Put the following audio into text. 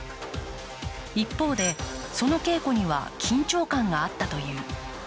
一方で、その稽古には緊張感があったという。